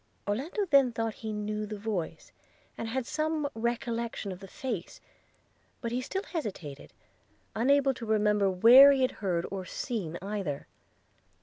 Orlando then thought he knew the voice, and had some recollection of the face; but he still hesitated, unable to remember where he had heard or seen either.